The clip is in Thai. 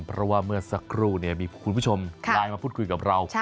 เพราะว่าเมื่อสักครู่มีคุณผู้ชมไลน์มาพูดคุยกับเรา